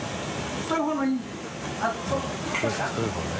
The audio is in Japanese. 太い方ね。